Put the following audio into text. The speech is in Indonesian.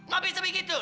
gak bisa begitu